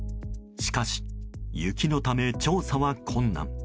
しかし、雪のため調査は困難。